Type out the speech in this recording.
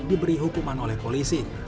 diberi hukuman oleh polisi